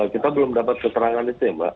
kita belum dapat keterangan itu ya mbak